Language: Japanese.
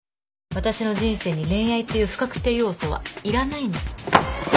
私の人生に恋愛っていう不確定要素はいらないの。